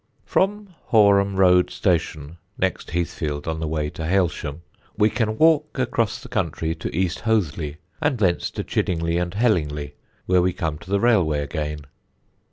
From Horeham Road station, next Heathfield on the way to Hailsham, we can walk across the country to East Hoathly, and thence to Chiddingly and Hellingly, where we come to the railway again.